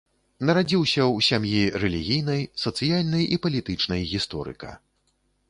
Нарадзіўся ў сям'і рэлігійнай, сацыяльнай і палітычнай гісторыка.